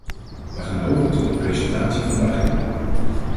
We gaan over tot een presentatie van de agenda.